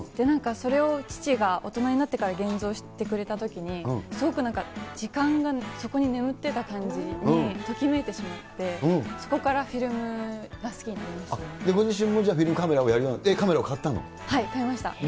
なんかそれを父が大人になってから現像してくれたときに、すごくなんか時間がそこに眠ってた感じに、ときめいてしまって、そこからフィルムが好きになりました。